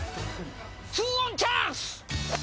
ツーオンチャンス。